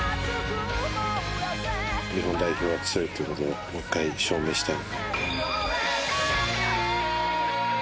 日本代表が強いということをもう１回証明したい。